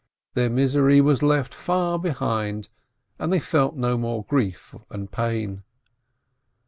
Their misery was left far behind, and they felt no more grief and pain.